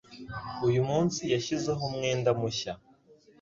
Uyu munsi yashyizeho umwenda mushya.